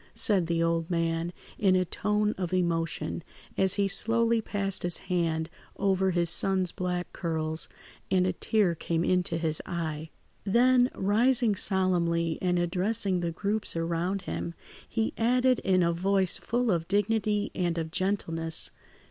said the old man in a tone of emotion, as he slowly passed his hand over his son's black curls, and a tear came into his eye. Then, rising solemnly and addressing the groups around him, he added in a voice full of dignity and of gentleness.